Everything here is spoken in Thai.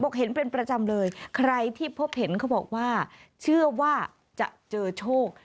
เห็นเป็นประจำเลยใครที่พบเห็นเขาบอกว่าเชื่อว่าจะเจอโชค